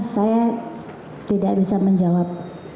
saya tidak bisa menjawab